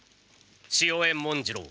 潮江文次郎。